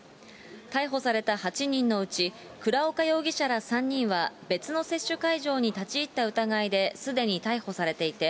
逮捕された８人のうち、倉岡容疑者ら３人は別の接種会場に立ち入った疑いですでに逮捕されていて、